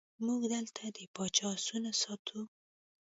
موږ دلته د پاچا آسونه ساتو.